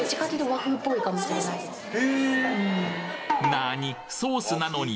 なに？